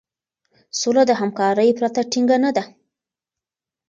سوله د همکارۍ پرته ټينګه نه ده.